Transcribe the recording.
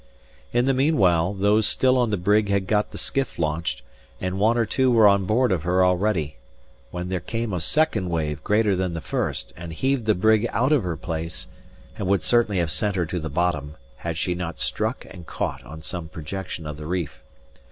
In the meanwhile, those still on the brig had got the skiff launched, and one or two were on board of her already, when there came a second wave greater than the first, and heaved the brig out of her place, and would certainly have sent her to the bottom, had she not struck and caught on some projection of the reef.